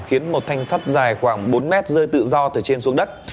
khiến một thanh sắt dài khoảng bốn mét rơi tự do từ trên xuống đất